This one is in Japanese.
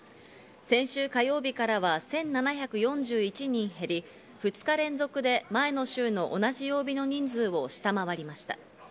先週火曜日からは１７４１人減り、２日連続で前の週の同じ曜日の人数を下回りました。